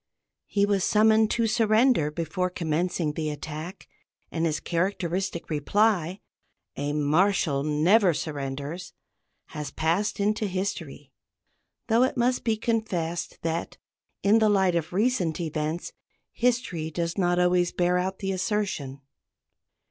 He was summoned to surrender before commencing the attack, and his characteristic reply, "A Marshal of France never surrenders," has passed into history, though it must be confessed that, in the light of recent events, history does not always bear out the assertion.